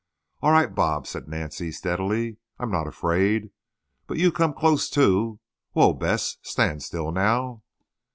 "All right, Bob," said Nancy steadily. "I'm not afraid. But you come close, too. Whoa, Bess; stand still, now!"